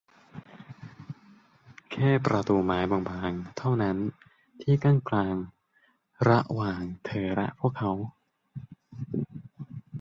แค่ประตูไม้ตารางบาง ๆ เท่านั้น ที่กั้นกลางระหว่างเธอและพวกเขา